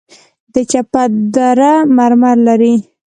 د چپه دره مرمر لري